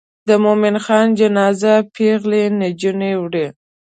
د مومن خان جنازه پیغلې نجونې وړي.